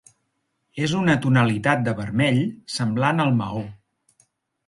És una tonalitat de vermell semblant al maó.